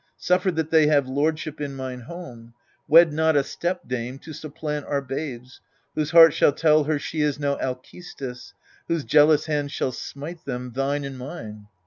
Suffer that they have lordship in mine home : Wed not a stepdame to supplant our babes, Whose heart shall tell her she is no Alcestis, Whose jealous hand shall smite them, thine and mine.